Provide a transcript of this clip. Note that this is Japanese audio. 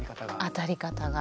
当たり方が。